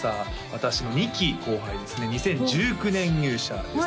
私の２期後輩ですね２０１９年入社です